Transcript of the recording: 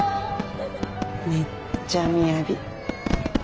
めっちゃ雅。